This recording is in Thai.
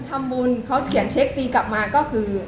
ถ้าไม่มีการทำบุญเขาเขียนเช็คตีกลับมาก็คือ